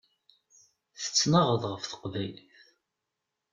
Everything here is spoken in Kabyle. Tettnaɣeḍ ɣef teqbaylit.